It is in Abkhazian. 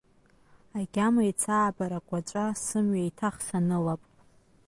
Агьама еицаабар агәаҵәа, сымҩа еиҭах санылап…